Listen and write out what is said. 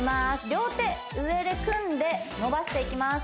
両手上で組んで伸ばしていきます